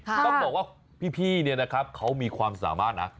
ต้องบอกว่าพี่เนี่ยนะครับเขามีความสามารถนะ